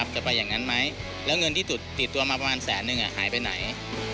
ไปอย่างนั้นไหมแล้วเงินที่ติดตัวมาประมาณแสนนึงหายไปไหน